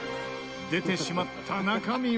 出てしまった中身は？